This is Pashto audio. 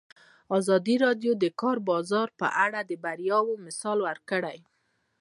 ازادي راډیو د د کار بازار په اړه د بریاوو مثالونه ورکړي.